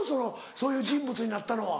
そういう人物になったのは。